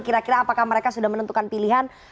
kira kira apakah mereka sudah menentukan pilihan